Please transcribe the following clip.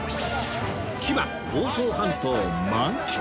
千葉房総半島満喫！